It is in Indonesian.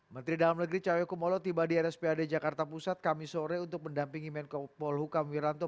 menteri dalam negeri cahyokumolo tiba di rsp adegato jakarta pusat kami sore untuk mendampingi menko poluka wiranto